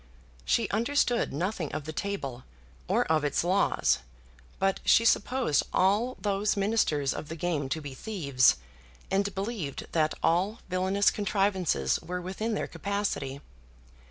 She understood nothing of the table, or of its laws; but she supposed all those ministers of the game to be thieves, and believed that all villainous contrivances were within their capacity.